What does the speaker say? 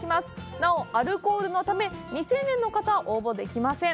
なお、アルコールのため、未成年の方は応募できません。